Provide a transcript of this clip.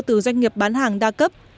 từ doanh nghiệp bán hàng đa cấp